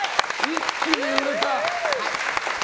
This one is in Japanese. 一気に売れた！